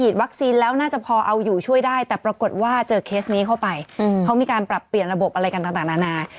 แต่ปรากฏว่าเจอเคสนี้เข้าไปเขามีการปรับเปลี่ยนระบบอะไรกันต่างนานา